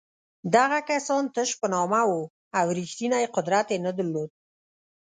دغه کسان تش په نامه وو او رښتینی قدرت یې نه درلود.